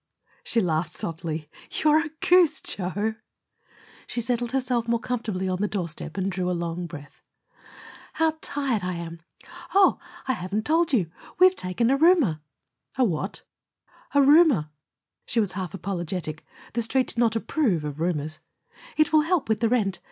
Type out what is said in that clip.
She laughed softly. "You're a goose, Joe!" She settled herself more comfortably on the doorstep and drew along breath. "How tired I am! Oh I haven't told you. We've taken a roomer!" "A what?" "A roomer." She was half apologetic. The Street did not approve of roomers. "It will help with the rent.